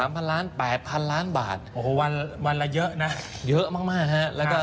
วันละเยอะนะเยอะมากแล้วเค้ามาดู